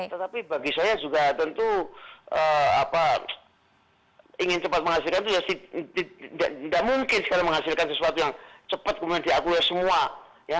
tetapi bagi saya juga tentu ingin cepat menghasilkan itu ya tidak mungkin sekarang menghasilkan sesuatu yang cepat kemudian diakui semua ya